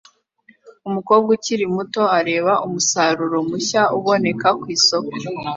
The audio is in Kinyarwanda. Umukobwa ukiri muto areba umusaruro mushya uboneka ku isoko